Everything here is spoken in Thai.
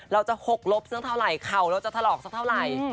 หกลบสักเท่าไหร่เข่าเราจะถลอกสักเท่าไหร่